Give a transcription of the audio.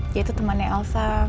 dia itu temannya elsa